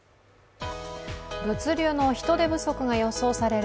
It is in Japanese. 物流の人手不足が予想される